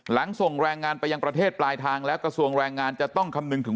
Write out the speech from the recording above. ส่งแรงงานไปยังประเทศปลายทางแล้วกระทรวงแรงงานจะต้องคำนึงถึง